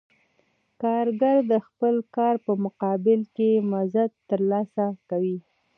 کارګر د خپل کار په مقابل کې مزد ترلاسه کوي